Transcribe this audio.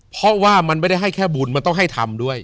เพราะว่ามันไม่ได้ให้แค่บุญมันต้องให้ทำด้วย